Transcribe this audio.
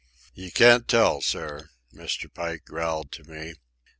"You can't tell, sir," Mr. Pike growled to me.